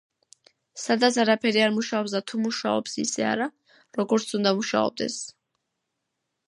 სადაც არაფერი არ მუშაობს და თუ მუშაობს ისე არა, როგორც უნდა მუშაობდეს.